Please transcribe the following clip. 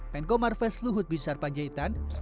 menko marves luhut binsar panjaitan